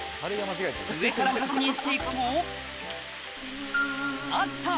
上から確認して行くとあった！